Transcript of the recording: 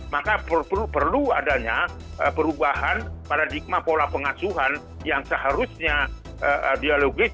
maka perlu adanya perubahan paradigma pola pengasuhan yang seharusnya dialogis